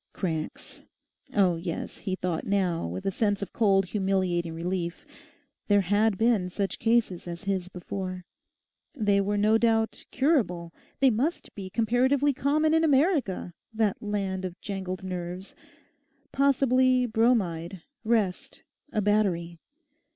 Cranks... Oh yes, he thought now, with a sense of cold humiliating relief, there had been such cases as his before. They were no doubt curable. They must be comparatively common in America—that land of jangled nerves. Possibly bromide, rest, a battery.